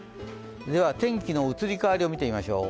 では天気の移り変わりを見てみましょう。